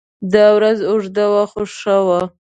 دا ورځ اوږده وه خو ښه وه.